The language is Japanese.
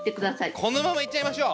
このままいっちゃいましょう。